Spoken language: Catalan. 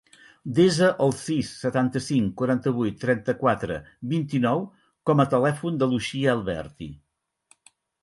Desa el sis, setanta-cinc, quaranta-vuit, trenta-quatre, vint-i-nou com a telèfon de l'Uxia Alberti.